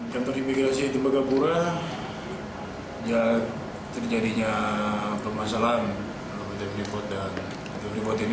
kantor imigrasi tembagapura terjadinya permasalahan pt freeport dan freeport ini